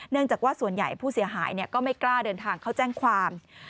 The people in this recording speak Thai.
จากว่าส่วนใหญ่ผู้เสียหายก็ไม่กล้าเดินทางเข้าแจ้งความ